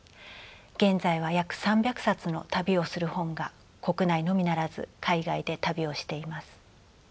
現在は約３００冊の「旅をする本」が国内のみならず海外で旅をしています。